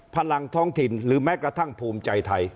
พลังท้องถิ่นหรือแม้กระทั่งภูมิใจไทย